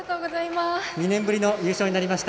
２年ぶりの優勝になりました。